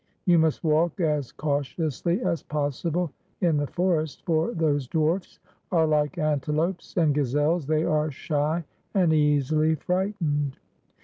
You must walk as cautiously as possible in the forest, for those dwarfs are like antelopes and gazelles ; they are shy and easily frightened.